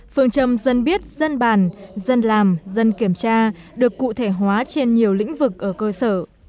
phương châm dân biết dân bàn dân làm dân kiểm tra được cụ thể hóa trên nhiều lĩnh vực ở cơ sở